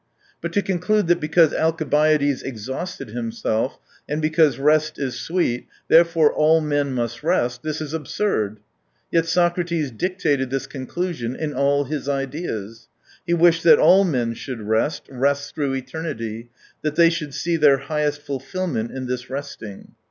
But to conclude that because Alcibiades exhausted himself, and because rest is sweet, therefore all men must rest, this is absurd. Yet Socrates dictated this conclusion, in all his ideas. He wished that all men should rest, rest through eternity, that they should see their highest fulfilment in this resting.